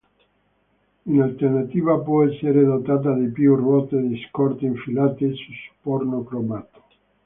In alternativa può essere dotata di più ruote di scorta infilate su supporto cromato.